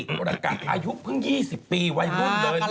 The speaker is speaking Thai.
โดยระกัดอายุเยี่ยม๒๐ปีวัยมุ่นเว้ย